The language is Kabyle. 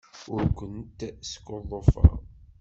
Ur kent-skuḍḍufeɣ.